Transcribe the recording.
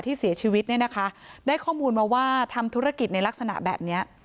เสียชีวิตเนี่ยนะคะได้ข้อมูลมาว่าทำธุรกิจในลักษณะแบบนี้